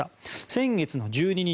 先月１２日